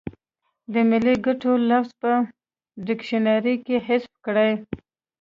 د ملي ګټو لفظ په ډکشنري کې حذف کړي.